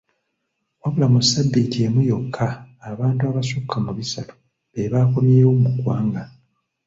Wabula mu sabbiiti emu yokka, abantu abasukka mu bisatu be baakomyewo mu ggwanga.